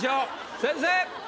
先生！